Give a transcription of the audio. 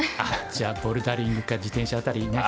じゃあボルダリングか自転車辺りね。